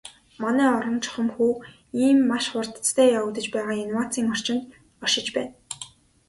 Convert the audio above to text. Манай орон чухамхүү ийм маш хурдацтай явагдаж байгаа инновацийн орчинд оршиж байна.